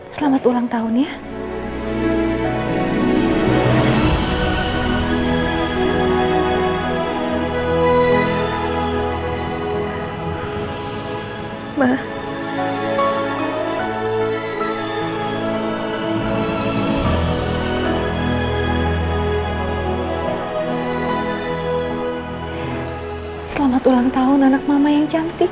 selamat ulang tahun